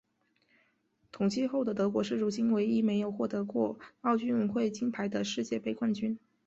统一后的德国是如今唯一没有获得过奥运会金牌的世界杯冠军。